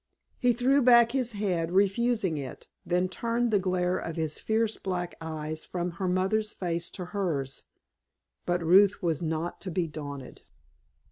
He threw back his head, refusing it, then turned the glare of his fierce black eyes from her mother's face to hers. But Ruth was not to be daunted.